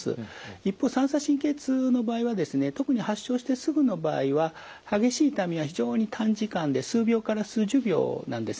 一方三叉神経痛の場合はですね特に発症してすぐの場合は激しい痛みが非常に短時間で数秒から数十秒なんですね。